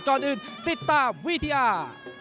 เรื่องก่อนอื่นติดตามวิทยา